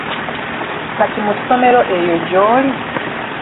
Kati mu ssomero eyo gy'oli?